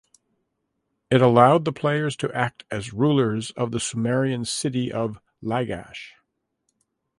It allowed the players to act as rulers of the Sumerian city of Lagash.